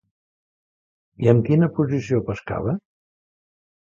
I amb quina posició pescava?